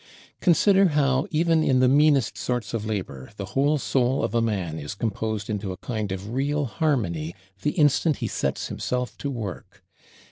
Consider how even in the meanest sorts of Labor, the whole soul of a man is composed into a kind of real harmony the instant he sets himself to work!